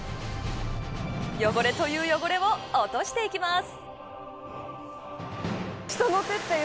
汚れという汚れを落としていきます。